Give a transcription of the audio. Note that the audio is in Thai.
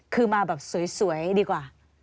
คือมาแบบสวยดีกว่า